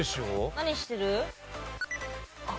何してる？